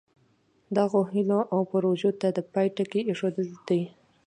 دغو هیلو او پروژو ته د پای ټکی ایښودل دي.